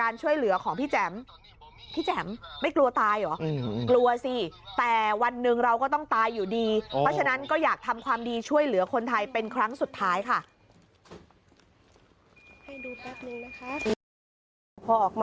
อีกอีกอีกอีกอีกอีกอีกอีกอีกอีกอีกอีกอีกอีกอีกอีกอีกอีก